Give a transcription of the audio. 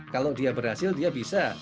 kalau dia berhasil dia bisa